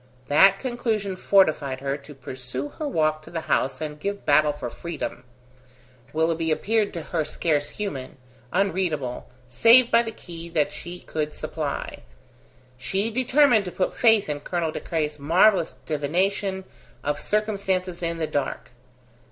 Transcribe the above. That conclusion fortified her to pursue her walk to the house and give battle for freedom. Willoughby appeared to her scarce human, unreadable, save by the key that she could supply. She determined to put faith in Colonel De Craye's marvellous divination of circumstances in the dark.